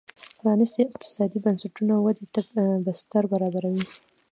پرانیستي اقتصادي بنسټونه ودې ته بستر برابروي.